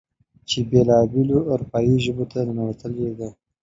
چې بېلا بېلو اروپايې ژبو ته ننوتلې ده.